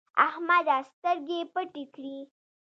احمده سترګې پټې کړې.